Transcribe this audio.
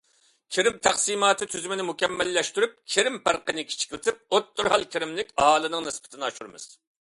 كىرىم تەقسىماتى تۈزۈمىنى مۇكەممەللەشتۈرۈپ، كىرىم پەرقىنى كىچىكلىتىپ، ئوتتۇرا ھال كىرىملىك ئاھالىنىڭ نىسبىتىنى ئاشۇرىمىز.